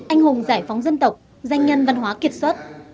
anh hùng giải phóng dân tộc danh nhân văn hóa kiệt xuất